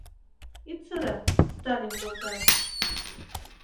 — Ит сыре, Сталин йолташ!